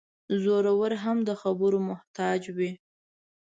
زورور هم د خبرو محتاج وي.